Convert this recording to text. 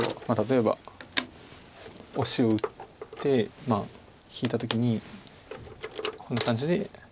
例えばオシを打って引いた時にこんな感じで。